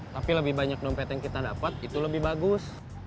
tapi lebih banyak dompet yang kita dapat itu lebih bagus